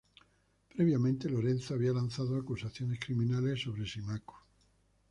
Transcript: Previamente, Lorenzo había lanzado acusaciones criminales sobre Símaco.